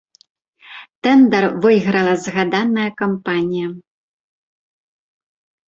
Тэндар выйграла згаданая кампанія.